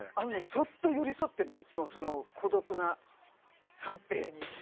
そっと寄り添ってんのいつもその孤独な三平に。